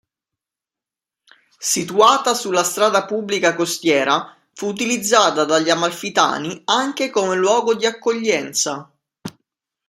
Situata sulla strada pubblica costiera, fu utilizzata dagli Amalfitani anche come luogo di accoglienza.